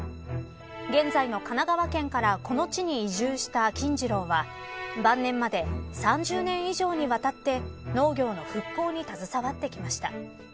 現在の神奈川県からこの地に移住した金次郎は晩年まで３０年以上にわたって農業の復興に携わってきました。